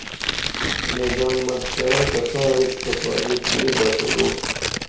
میدان محشرہ کساں ایس سفارش نی بہ چلو